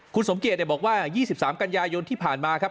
คุณสมเกียจบอกว่า๒๓กันยายนที่ผ่านมาครับ